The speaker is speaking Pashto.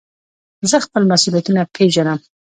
زه خپل مسئولیتونه پېژنم.